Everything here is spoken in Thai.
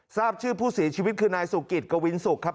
ทราบชื่อผู้เสียชีวิตคือนายสุกิตกวินสุกครับ